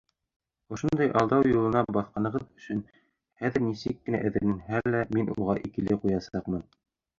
Ошондай алдау юлына баҫҡанығыҙ өсөн хәҙер нисек кенә әҙерләнһә лә мин уға «икеле» ҡуясаҡмын!